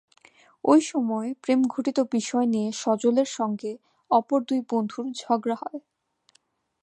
ওই সময় প্রেমঘটিত বিষয় নিয়ে সজলের সঙ্গে অপর দুই বন্ধুর ঝগড়া হয়।